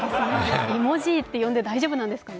芋爺って呼んで大丈夫なんですかね。